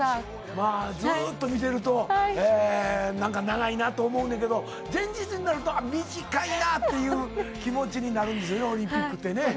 ずっと見ていると、長いなと思うんだけど、現実になると短いなっていう気持ちになるんですよね、オリンピックって。